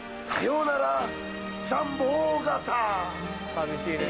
寂しいね。